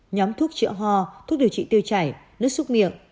nhóm thuốc chữa ho thuốc điều trị tiêu chảy nước xúc miệng